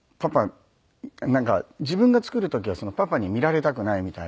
なんか自分が作る時はパパに見られたくないみたいで。